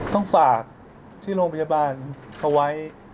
ต้องฝากที่โรงพยาบาลเขาไว้